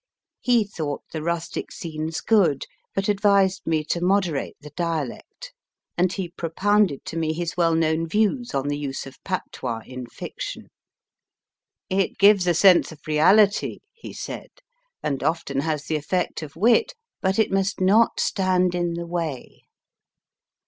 He thought the rustic scenes good, but advised me to moderate the dialect, and he propounded to me his well known views on the use of patois in fiction. * It gives a sense of reality/ he said, and often has the effect of wit, but it must not stand in the way.